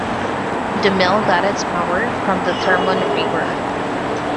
The Mill got its power from the Termon river.